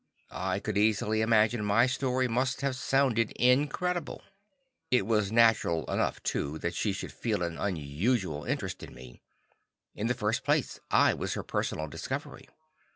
I could easily imagine my story must have sounded incredible. It was natural enough too, that she should feel an unusual interest in me. In the first place, I was her personal discovery.